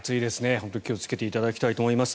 本当に気をつけていただきたいと思います。